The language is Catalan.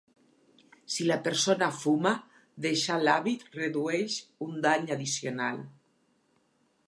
Si la persona fuma, deixar l'hàbit redueix un dany addicional.